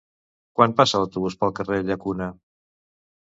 Quan passa l'autobús pel carrer Llacuna?